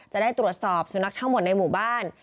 จะได้ตรวจสอบสุนัขทั้งหมดในหมู่บ้าน